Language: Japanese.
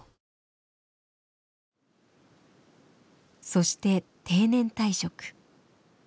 そして定年退職。